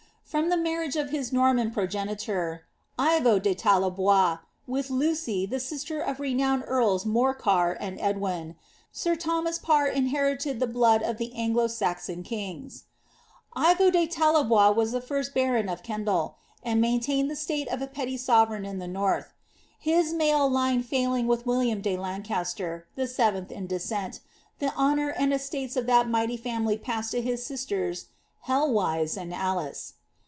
From the marriage of his Norman progenitor, Ivo de Tallebois, with Lucy, the sister of the renowned earls 3Iorcar and Edwin, sir Thomas Parr inherited the blood of the Anglo Saxon kings. Ivo de Tallebois was the first baron of Kendal, and maintained the state of a petty sovereign in the north. Hii male line failing with William de Lancaster, the seventh in descent, the honour and estates of tliat mighty family passed to his sisters Helwise and Alice.